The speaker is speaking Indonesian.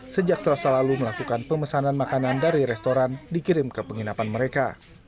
sejak selasa lalu melakukan pemesanan makanan dari restoran dikirim ke penginapan mereka